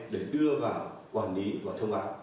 để đưa vào quản lý và thông báo